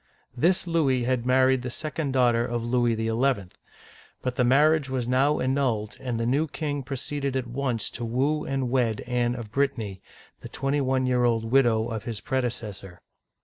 This Louis had married the second daughter of Louis XL, but the marriage was now annulled, and the new king proceeded at once to woo and wed Anne of Brittany, the twenty one year old widow of his predecessor.